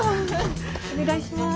お願いします。